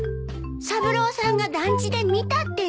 三郎さんが団地で見たって言うの。